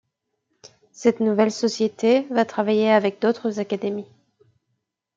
Cette nouvelle société va travailler avec d'autres académies.